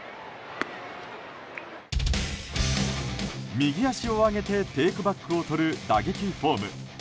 右足を上げてテークバックをとる打撃フォーム。